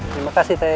terima kasih teh